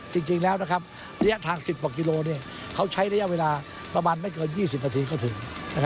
จริงแล้วระยะทาง๑๐กว่ากิโลเขาใช้ระยะเวลาประมาณไม่เกิน๒๐นาทีก็ถึง